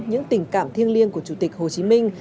những tình cảm thiêng liêng của chủ tịch hồ chí minh